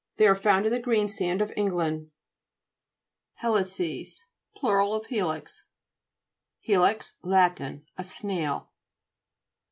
They are found in the greensand of England. HE'LICES Plur. of helix. HE'LIX Lat. A snail.